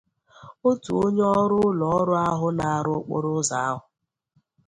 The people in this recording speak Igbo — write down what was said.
otu onye ọrụ ụlọọrụ ahụ na-arụ okporoụzọ ahụ